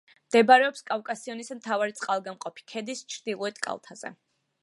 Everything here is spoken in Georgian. მდებარეობს კავკასიონის მთავარი წყალგამყოფი ქედის ჩრდილოეთ კალთაზე.